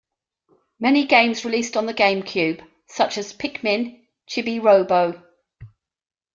Many games released on the GameCube, such as "Pikmin", "Chibi-Robo!